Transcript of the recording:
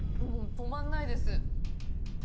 止まんないです